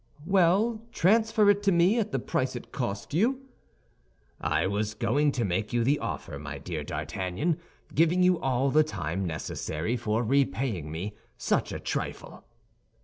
"Well, transfer it to me at the price it cost you?" "I was going to make you the offer, my dear D'Artagnan, giving you all the time necessary for repaying me such a trifle."